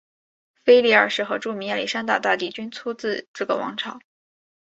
腓力二世和著名的亚历山大大帝均出自这个王朝。